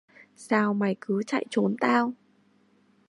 Sao mày cứ chạy trốn tao